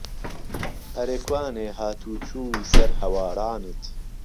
ئەرێ کوانێ هات و چووی سەر هەوارانت